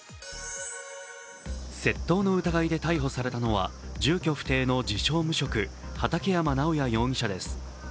窃盗の疑いで逮捕されたのは住居不定の自称・無職畠山直也容疑者です。